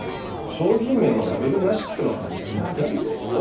商品名のラベルなしってのは嫌がりますよ